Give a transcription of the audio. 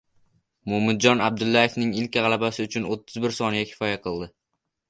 Mo‘minjon Abdullayevning ilk g‘alabasi uchun o'ttiz bir soniya kifoya qildi